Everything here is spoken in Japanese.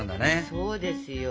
そうですよ。